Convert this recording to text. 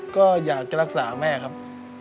ก็อยากจะรักษาแม่ครับ